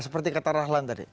seperti kata rahlan tadi